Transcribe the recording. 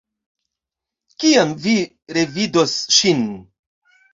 Kiam vi revidos ŝin?